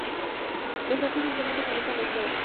Los arcos simplemente conectan los nodos.